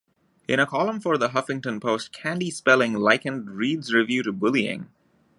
In a column for "The Huffington Post", Candy Spelling likened Reed's review to bullying.